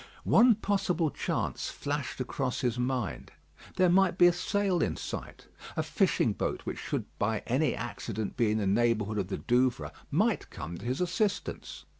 One possible chance flashed across his mind. There might be a sail in sight. A fishing boat which should by any accident be in the neighbourhood of the Douvres, might come to his assistance.